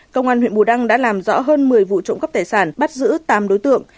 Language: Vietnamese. công an huyện bù đăng đã làm rõ hơn một mươi vụ trộm cắp tài sản bắt giữ tám đối tượng